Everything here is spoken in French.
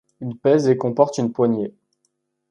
Il pèse et comporte une poignée.